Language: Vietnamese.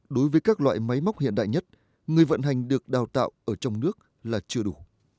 đối với các loại máy móc hiện đại nhất người vận hành được đào tạo ở trong nước là chưa đủ